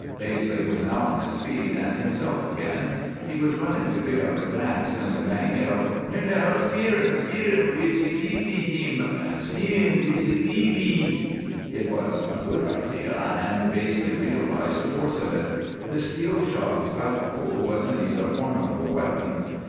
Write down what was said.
"Baizley was now on his feet, and himself again. He was running to pick up his axe, when Tamang yelled, 'No! No! Spear him, spear him wid ze peevy, Jeem! Spear him wid ze peevy!' "It was a good idea, and Baizley realized the force of it. The steel shod pike pole was indeed a formidable weapon.